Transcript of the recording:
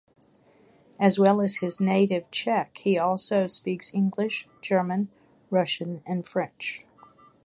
As well as his native Czech, he also speaks English, German, Russian and French.